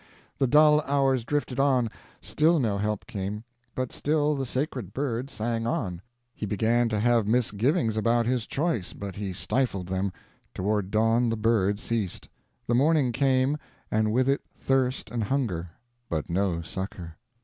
The dull hours drifted on. Still no help came but still the sacred bird sang on. He began to have misgivings about his choice, but he stifled them. Toward dawn the bird ceased. The morning came, and with it thirst and hunger; but no succor.